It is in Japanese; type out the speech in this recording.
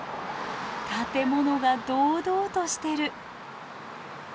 建物が堂々としてる。